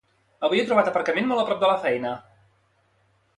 Avui he trobat aparcament molt a prop de la feina